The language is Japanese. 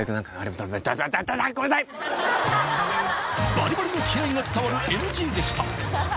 バリバリの気合いが伝わるＮＧでした